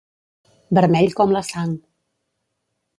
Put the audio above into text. Vermell com la sang.